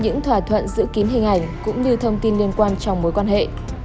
những thỏa thuận giữ kín hình ảnh cũng như thông tin liên quan trong mối quan hệ